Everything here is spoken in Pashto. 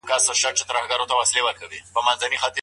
تر پرېشانۍ وروسته کوم کارونه خوښي راولي؟